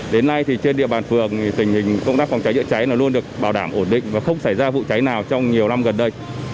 đến nay thì trên địa bàn phường thì tình hình công tác phòng cháy chữa cháy luôn được bảo đảm ổn định và không xảy ra vụ cháy nào trong nhiều năm gần đây